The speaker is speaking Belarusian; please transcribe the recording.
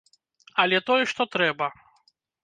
Але той, што трэба!